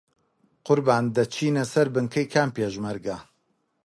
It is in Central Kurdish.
قوربان دەچینە سەر بنکەی کام پێشمەرگە؟